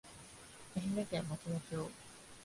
愛媛県松野町